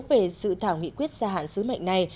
về dự thảo nghị quyết gia hạn sứ mệnh này